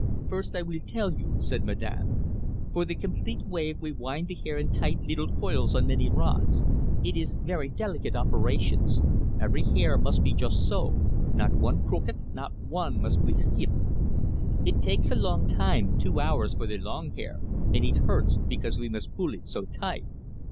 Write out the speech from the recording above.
"First, I weel tell you," said Madame. "For the complete wave we wind the hair in tight leetle coils on many rods. Eet ees very delicate operations every hair must be just so, not one crooked, not one must we skeep. Eet takes a long time two hours for the long hair; and eet hurts, because we must pull eet so tight.